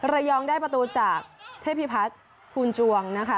ระยองได้ประตูจากเทพิพัฒน์ภูลจวงนะคะ